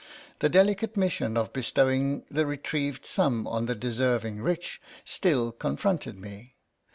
The delicate mission of bestowing the retrieved sum on the deserving rich still con fronted me.